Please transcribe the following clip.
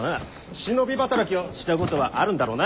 忍び働きをしたことはあるんだろうな？